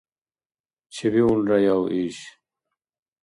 Чебиулраяв иш?